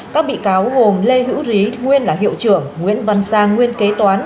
các bị cáo gồm lê hữu rí nguyên là hiệu trưởng nguyễn văn sang nguyên kế toán